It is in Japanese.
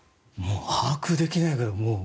把握できないぐらい。